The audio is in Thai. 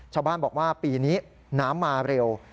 ชาวบ้านบอกว่าปีนี้น้ำมาเร็ว